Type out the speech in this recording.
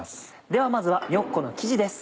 ではまずはニョッコの生地です。